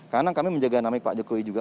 karena kami menjaga namik pak jokowi juga